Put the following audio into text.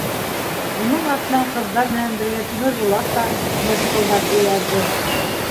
Уның артынан ҡыҙҙар менән бергә Тимербулат та мыжҡылдап эйәрҙе.